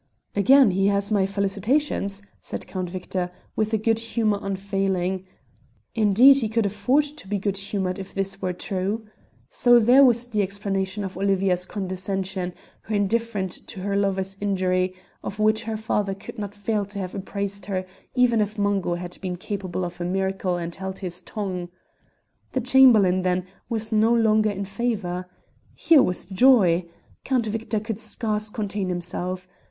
"Again he has my felicitations," said Count Victor, with a good humour unfailing. Indeed he could afford to be good humoured if this were true. So here was the explanation of Olivia's condescension, her indifference to her lover's injury, of which her father could not fail to have apprised her even if Mungo had been capable of a miracle and held his tongue. The Chamberlain, then, was no longer in favour! Here was joy! Count Victor could scarce contain himself.